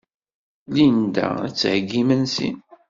Linda ad d-theyyi imensi.